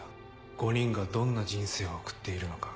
５人がどんな人生を送っているのか。